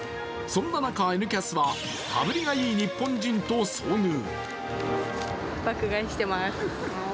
そんな中、「Ｎキャス」は羽振りのいい日本人と遭遇。